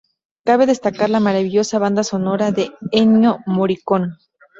Cabe destacar la maravillosa banda sonora de Ennio Morricone.